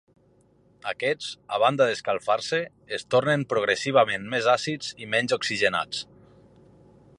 Aquests, a banda d’escalfar-se, es tornen progressivament més àcids i menys oxigenats.